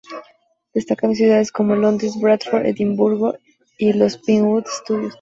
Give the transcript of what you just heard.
Destacando ciudades como Londres, Bradford, Edinburgo y los Pinewood Studios.